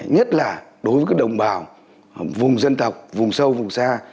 nhất là đối với đồng bào vùng dân tộc vùng sâu vùng xa